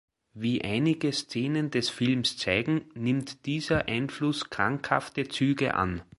Wie einige Szenen des Films zeigen, nimmt dieser Einfluss krankhafte Züge an.